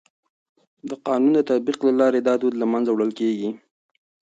د قانون د تطبیق له لارې دا دود له منځه وړل کيږي.